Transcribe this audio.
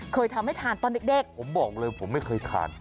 เคยทำให้ทานตอนเด็กผมบอกเลยผมไม่เคยทาน